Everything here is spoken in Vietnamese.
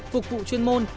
phục vụ chuyên môn